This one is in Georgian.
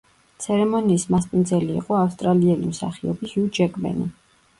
ცერემონიის მასპინძელი იყო ავსტრალიელი მსახიობი ჰიუ ჯეკმენი.